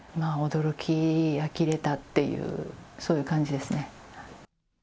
驚きあきれたっていう、そういう感じですね。